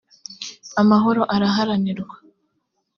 amahoro araharanirwa.